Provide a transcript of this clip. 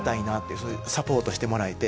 そういうサポートしてもらえて。